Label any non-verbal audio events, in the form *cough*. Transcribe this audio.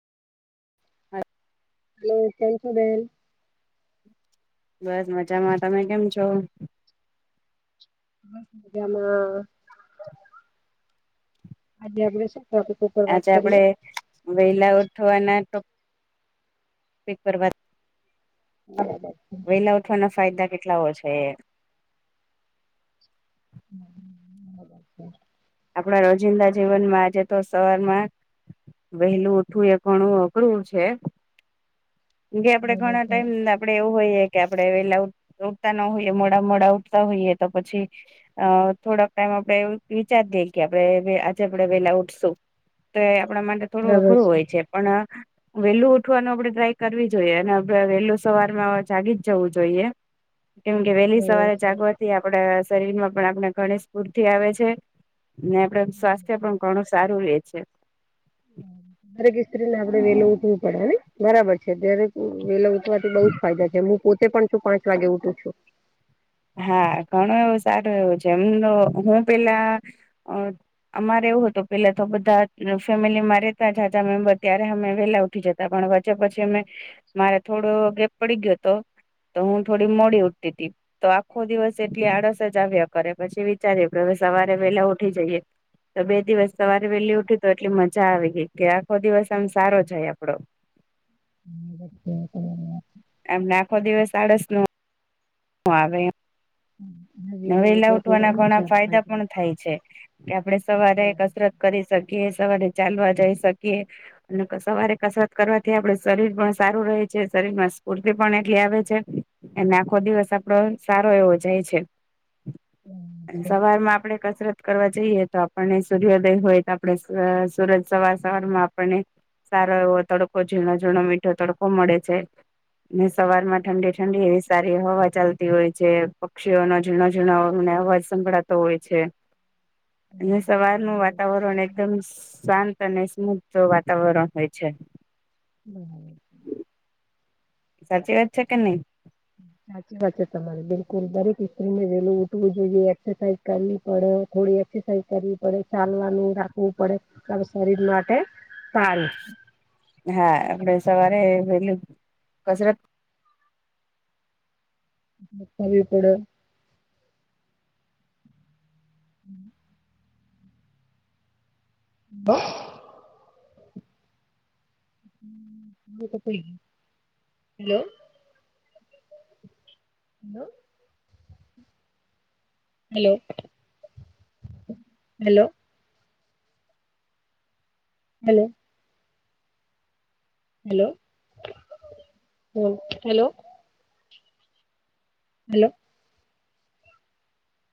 *inaudible* કેમ છો બેન? બસ મજામાં તમે કેમ છો? મજામાં. આજે આપડે *unintelligible* આજે આપડે કરીએ વેલા ઉઠવાના *unintelligible* ટૉપિક પર વાત *inaudible* *inaudible* ફાયદા કેટલા હોય છે? એ *inaudible* આપણા રોજિંદા જીવનમાં આજે તો સવારમાં વહેલું ઉઠવું એ ઘણું અઘરું છે જે આપડે બરાબર ઘણા છે ટાઈમ *inaudible* આપડે એવું હોઈએ કે આપડે વેલા ઉઠતા ન હોઈએ મોડા મોડા ઉઠતા હોઈએ તો પછી અ થોડાક ટાઈમ આપડે *inaudible* *inaudible* આપડે આજે આપડે પેલા ઉઠશું તો એ આપણા માટે થોડું અઘરું હોય છે. પણ વેલું ઉઠવાનું આપડે ટ્રાય કરવી જોઈએ અને આપડે વેલું સવારમાં જાગી જ જવું જોઈએ. કેમ કે વહેલી બરાબર સવારે છે. જાગવાથી આપણા શરીર માં પણ આપણે ઘણી સ્ફૂર્તિ આવે છે. ને આપડે સ્વાસ્થ્ય પણ ઘણું સારું રે છે. દરેક સ્ત્રીને આપડે વેલું ઊઠવું પડેને બરાબર છે દરેક વેલા ઊઠવાથી બહુ જ ફાયદા છે હું પોતે *unintelligible* પાંચ વાગે ઉઠું છું હા ઘણું એવું સારું એવું છે એમનો હું પેલા અમારે એવું હતું પેલા તો બધા ફેમિલીમા રહેેતા જાજા મેમ્બર ત્યારે અમે વેલા *unintelligible* ઉઠી જતાં પણ વચ્ચે મારે થોડો ગેપ પડી ગયો હતો. તો હું થોડી મોડી ઉઠતીતી. તો આખો દિવસ એટલી આળસ જ આવ્યા કરે પછી વિચારીએ હવે સવારે વેલા ઉઠી જઈએ. તો બે દિવસ સવારે વહેલી ઉઠી તો એટલી મજા આવી ગઈ કે આખો દિવસ આમ સારો જાય આપડો. *inaudible* આમ આખો દિવસ આળસ ન આવે એમ. વેલા વેેલા ઉઠવાથી બઉ ઉઠવાના જ ઘણા સારો ફાયદા ફાયદો છે પણ થાય છે કે સવારે બરાબર કસરત. કરી શકીએ સવારે ચાલવા જઈ શકીએ. અને સવારે કસરત કરવાથી આપડ શરીર પણ સારું રહે છે શરીર માં. *inaudible* આવે છે. અને આખો દિવસ આપડો સારો એવો જાય છે. બરાબર છે. બરાબર. સવારમાં આપણે. કસરત કરવા જઈએ તો, આપણને સૂર્ય્યોદય હોય તો આપણે સુરજ સવાર સવારમાં આપણને. સારો એવો તડકો, ઝીણો, ઝીણો, મીઠો તડકો મળે છે. ને સવાર માં ઠંડી ઠંડી એવી સારી હવા ચાલતી હોય છે પક્ષીઓ ન ઝીણો ઝીણો અવાજ. સંભળાતો હોય છે. અને સવારનું વાતાવરણ એકદમ શાંત અને સ્મુગ્ધ વાતાવરણ હોય છે. *inaudible* સાચી વા છે કે નહી *inaudible* સાચી વાત છે તમારે બિલકુલ દરેક સ્ત્રી વેલું ઉઠવું જોઈએ એક્સરસાઇઝ કરવી પડે થોડી એક્સરસાઇઝ કરવી પડે ચાલવાનું રાખવું પડે શરીર માટે સારુ હા આપડે સવારે વેલુ કસરત કરવી પડે *inaudible* *inaudible* *unintelligible* hello hello hello hello hello hello hello hello